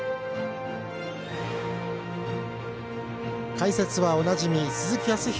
解説はおなじみ鈴木康弘